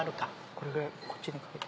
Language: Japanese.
これぐらいこっちにかけて。